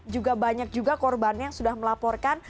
juga banyak juga korban yang sudah melaporkan